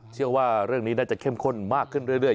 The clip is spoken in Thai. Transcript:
เชื่อว่าเรื่องนี้น่าจะเข้มข้นมากขึ้นเรื่อย